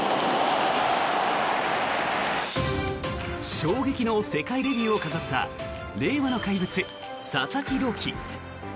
衝撃の世界デビューを飾った令和の怪物、佐々木朗希。